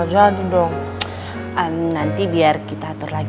kalo gue nggak kesel